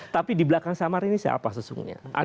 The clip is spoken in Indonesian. tapi di belakang samari ini siapa sesungguhnya